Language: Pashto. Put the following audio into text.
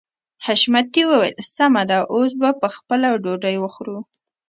حشمتي وويل سمه ده اوس به خپله ډوډۍ وخورو.